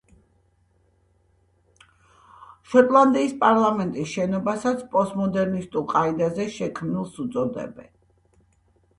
შოტლანდიის პარლამენტის შენობასაც პოსტმოდერნისტულ ყაიდაზე შექმნილს უწოდებენ.